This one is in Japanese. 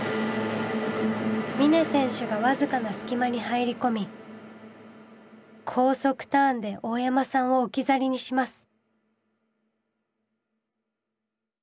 峰選手が僅かな隙間に入り込み高速ターンで大山さんを置き去りにします。